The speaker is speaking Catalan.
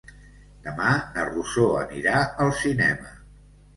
Demà na Rosó anirà al cinema.